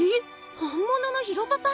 本物の宙パパ？